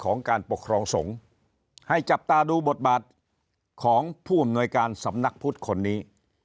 การปกครองสงฆ์ให้จับตาดูบทบาทของผู้อำนวยการสำนักพุทธคนนี้